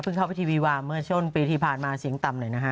เข้าไปทีวีวาเมื่อช่วงปีที่ผ่านมาเสียงต่ำหน่อยนะฮะ